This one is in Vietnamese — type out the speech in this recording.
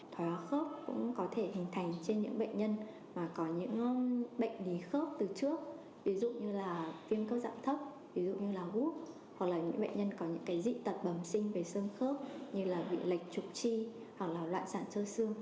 thói hóa khớp cũng có thể hình thành trên những bệnh nhân có những bệnh lý khớp từ trước ví dụ như là viêm cơ dạng thấp ví dụ như là hút hoặc là những bệnh nhân có những dị tật bầm sinh về sơn khớp như là bị lệch trục chi hoặc là loạn sản sơ sương